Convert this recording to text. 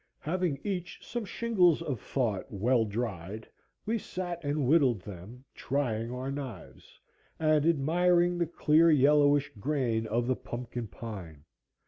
Having each some shingles of thought well dried, we sat and whittled them, trying our knives, and admiring the clear yellowish grain of the pumpkin pine.